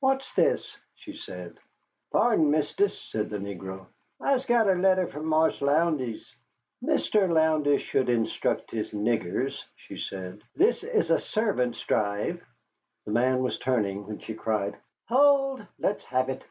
"What's this?" she said. "Pardon, Mistis," said the negro, "I'se got a letter from Marse Lowndes." "Mr. Lowndes should instruct his niggers," she said. "There is a servants' drive." The man was turning his horse when she cried: "Hold! Let's have it."